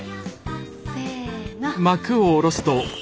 せの！